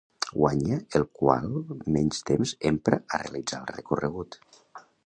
Guanya el qual menys temps empra a realitzar el recorregut.